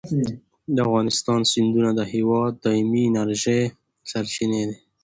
د افغانستان سیندونه د هېواد د دایمي انرژۍ سرچینې دي.